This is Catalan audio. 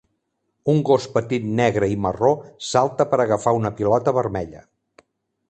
Un gos petit negre i marró salta per agafar una pilota vermella.